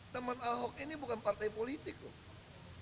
teman ahok ini bukan partai politik loh